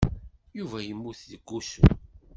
Yuba yemmut deg wusu.